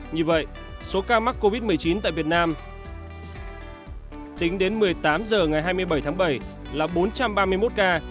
như vậy số ca mắc covid một mươi chín tại việt nam tính đến một mươi tám h ngày hai mươi bảy tháng bảy là bốn trăm ba mươi một ca